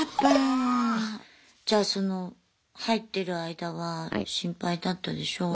じゃあその入ってる間は心配だったでしょう。